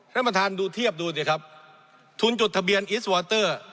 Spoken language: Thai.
ท่านประธานดูเทียบดูสิครับทุนจดทะเบียนอิสวอเตอร์